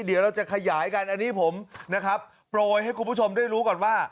เดี๋ยวเราจะขยายกันอันนี้ผมนะครับโปรยให้คุณผู้ชมได้รู้ก่อนว่า